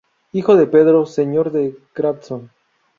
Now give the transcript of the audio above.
Hijo de Pedro, señor de Grandson.